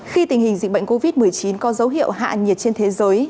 khi tình hình dịch bệnh covid một mươi chín có dấu hiệu hạ nhiệt trên thế giới